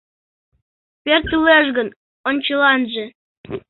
Пӧртылеш гын, ончыланже